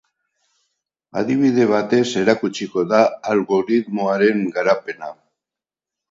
Adibide batez erakutsiko da algoritmoaren garapena.